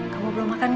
kamu belum makan